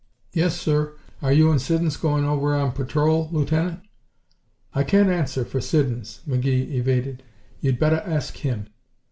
"Yes, sir. Are you and Siddons goin' over on patrol, Lieutenant?" "I can't answer for Siddons," McGee evaded. "You'd better ask him."